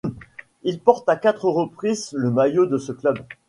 Il porte à quatre reprises le maillot de ce club.